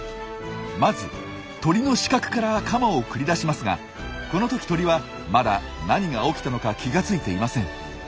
まず鳥の死角からカマを繰り出しますがこの時鳥はまだ何が起きたのか気が付いていません。